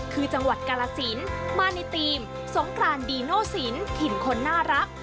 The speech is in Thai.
คือจังหวัดกาลสินมาในทีมสงกรานดีโนสินถิ่นคนน่ารัก